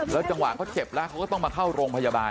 จังหวะเขาเจ็บแล้วเขาก็ต้องมาเข้าโรงพยาบาล